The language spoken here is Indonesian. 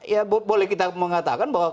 ya boleh kita mengatakan bahwa